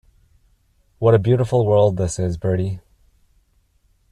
What a beautiful world this is, Bertie.